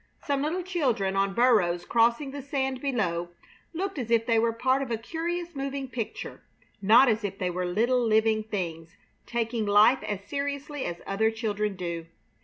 Some little children on burros crossing the sand below looked as if they were part of a curious moving picture, not as if they were little living beings taking life as seriously as other children do.